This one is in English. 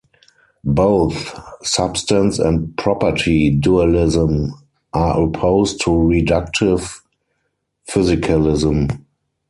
Both substance and property dualism are opposed to reductive physicalism.